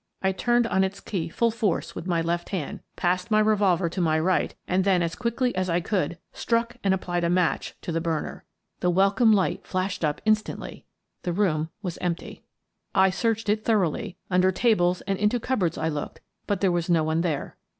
I turned on its key full force with my left hand, passed my revolver to my right, and then, as quickly as I could, struck and applied a match to the burner. The welcome light flashed up instantly. The room was empty. I searched it thoroughly. Under tables and into cupboards I looked — but there was no one there.